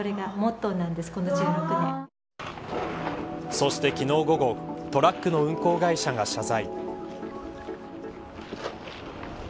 そして昨日午後トラックの運行会社が謝罪。